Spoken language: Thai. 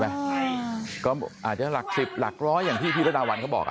อาจจะหลักสิบหลักร้อยอย่างพีรดาวันบอก